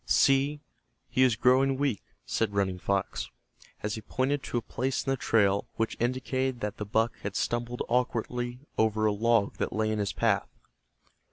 "See, he is growing weak," said Running Fox, as he pointed to a place in the trail which indicated that the buck had stumbled awkwardly over a log that lay in his path.